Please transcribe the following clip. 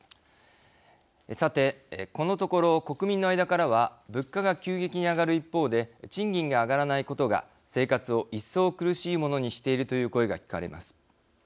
さて、このところ国民の間からは物価が急激に上がる一方で賃金が上がらないことが生活を一層苦しいものにしているという声が聞かれます。